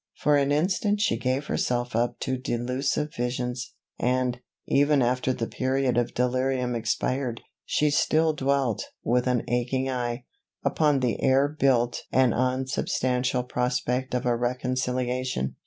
For an instant she gave herself up to delusive visions; and, even after the period of delirium expired, she still dwelt, with an aching eye, upon the air built and unsubstantial prospect of a reconciliation.